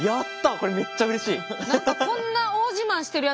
これめっちゃうれしい！